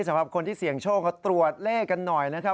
สำหรับคนที่เสี่ยงโชคเขาตรวจเลขกันหน่อยนะครับ